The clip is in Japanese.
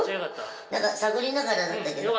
探りながらだったけど。